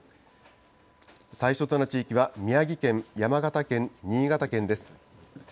対象となる地域は宮城県、山形県、新潟県です。